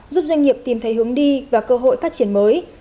giúp doanh nghiệp tìm thấy hướng đi và cơ hội phát triển mới